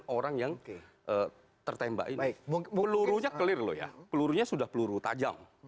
sembilan orang yang ya tertembak fifaarta banjir lo ya pelurunya sudah peluru tajam